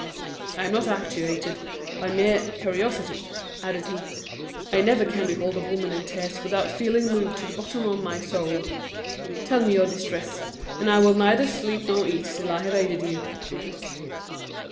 "I am not actuated by mere curiosity," added he; "I never can behold a woman in tears without feeling moved to the bottom of my soul! Tell me your distress, and I will neither sleep nor eat till I have aided you."